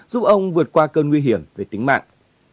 giúp ông vượt qua cơn nguy hiểm về tính mạng